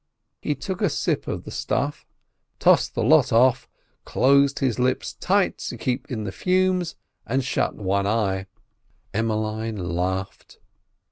He took a sip of the stuff, tossed the lot off, closed his lips tight to keep in the fumes, and shut one eye. Emmeline laughed.